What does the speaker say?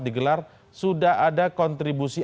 digelar sudah ada kontribusi